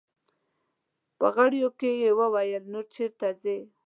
په غريو کې يې وويل: نور چېرته دي؟